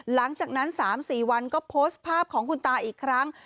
หลังจากนั้น๓๔วันก็โพสต์ภาพของคุณตาอีกครั้ง